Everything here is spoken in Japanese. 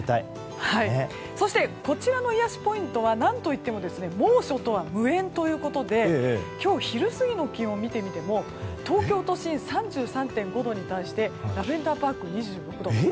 そしてこちらの癒やしポイントは何といっても猛暑とは無縁ということで今日昼過ぎの気温を見ても東京都心３３．５度に対してラベンダーパーク２６度。